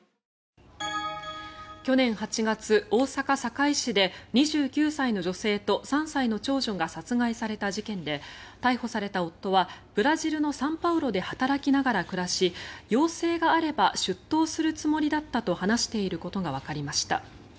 去年８月、大阪・堺市で２９歳の女性と３歳の長女が殺害された事件で逮捕された夫はブラジルのサンパウロで働きながら暮らし要請があれば出頭するつもりだったと話していることがわかりました。